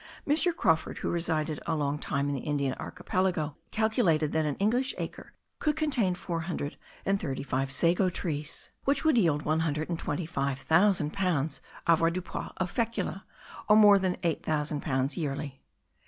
Mr. Crawfurd, who resided a long time in the Indian Archipelago, calculates that an English acre could contain four hundred and thirty five sago trees, which would yield one hundred and twenty thousand five hundred pounds avoirdupois of fecula, or more than eight thousand pounds yearly.